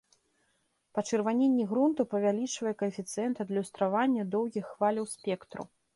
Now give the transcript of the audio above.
Пачырваненне грунту павялічвае каэфіцыент адлюстравання доўгіх хваляў спектру.